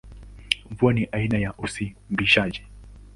Mvua ni aina ya usimbishaji.